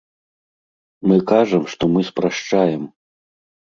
Мы кажам, што мы спрашчаем.